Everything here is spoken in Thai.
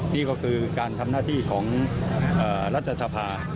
นี่ก็คือการทำหน้าที่ของรัฐสภา